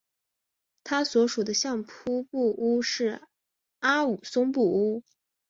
他所属的相扑部屋是阿武松部屋。